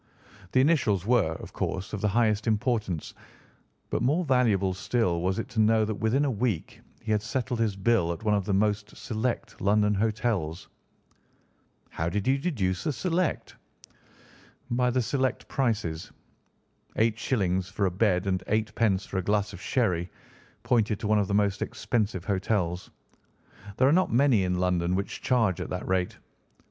The initials were, of course, of the highest importance, but more valuable still was it to know that within a week he had settled his bill at one of the most select London hotels." "How did you deduce the select?" "By the select prices. Eight shillings for a bed and eightpence for a glass of sherry pointed to one of the most expensive hotels. There are not many in London which charge at that rate.